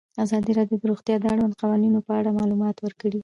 ازادي راډیو د روغتیا د اړونده قوانینو په اړه معلومات ورکړي.